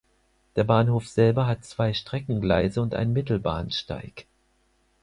Der Bahnhof selber hat zwei Streckengleise und einen Mittelbahnsteig.